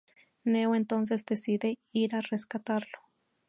Neo entonces decide ir a rescatarlo.